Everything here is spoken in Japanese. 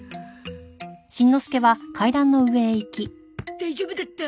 大丈夫だった。